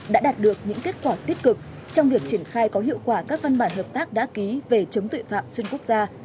đã đạt được những kết quả tích cực trong việc triển khai có hiệu quả các văn bản hợp tác đã ký về chống tội phạm xuyên quốc gia